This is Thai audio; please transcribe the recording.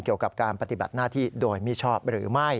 เกี่ยวกับการปฏิบัติหน้าที่โดยมิชอบหรือไม่